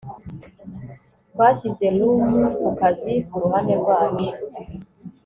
twashyize rum ku kazi kuruhande rwacu